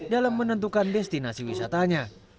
dalam menentukan destinasi wisatanya